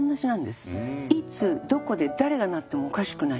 いつどこで誰がなってもおかしくない。